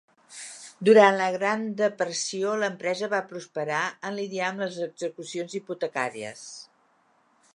Durant la Gran Depressió, l'empresa va prosperar en lidiar amb les execucions hipotecàries.